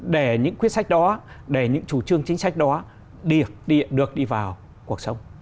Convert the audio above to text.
để những quyết sách đó để những chủ trương chính sách đó được đi vào cuộc sống